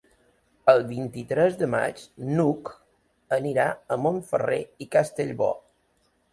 El vint-i-tres de maig n'Hug anirà a Montferrer i Castellbò.